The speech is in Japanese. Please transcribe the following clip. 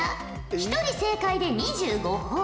１人正解で２５ほぉ。